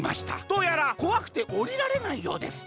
どうやらこわくておりられないようです。